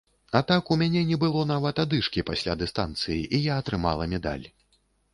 А так у мяне не было нават адышкі пасля дыстанцыі, і я атрымала медаль.